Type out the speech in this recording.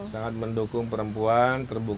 sangat mendukung perempuan